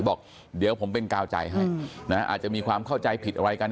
บอกเดี๋ยวผมเป็นกาวใจให้นะอาจจะมีความเข้าใจผิดอะไรกัน